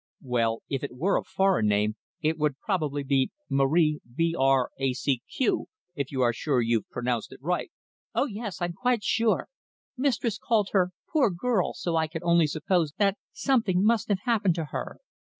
"Well, if it were a foreign name it would probably be Marie B r a c q if you are sure you've pronounced it right." "Oh, yes. I'm quite sure. Mistress called her 'poor girl!' so I can only suppose that something must have happened to her."